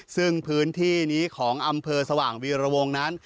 ซึ่งพื้นที่นี้ของอำเภอสว่างวีรวงนั้น